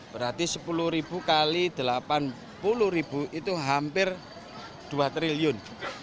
berarti sepuluh ribu x delapan puluh ribu itu hampir dua triliun